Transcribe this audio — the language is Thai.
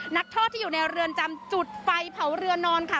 นักโทษที่อยู่ในเรือนจำจุดไฟเผาเรือนอนค่ะ